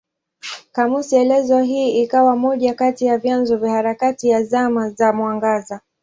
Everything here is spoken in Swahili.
Kamusi elezo hii ikawa moja kati ya vyanzo vya harakati ya Zama za Mwangaza.